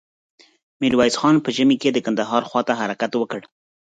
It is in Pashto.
ميرويس خان په ژمې کې د کندهار خواته حرکت وکړ.